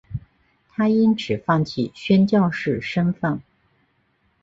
她因此放弃宣教士身分。